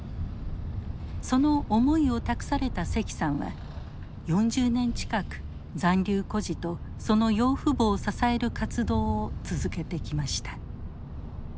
その思いを託された石さんは４０年近く残留孤児とその養父母を支える活動を続けてきました。